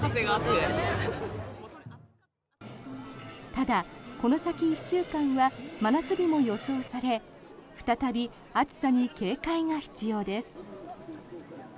ただ、この先１週間は真夏日も予想され再び暑さに警戒が必要です。